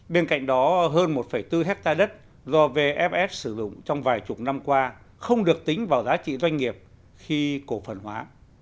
bên cạnh đó hơn một bốn hectare đất do vff sử dụng trong vài chục năm qua không được tính vào giá trị doanh nghiệp khi cổ phần hóa